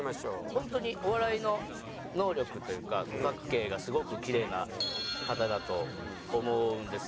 本当にお笑いの能力というか五角形がすごくキレイな方だと思うんですよ。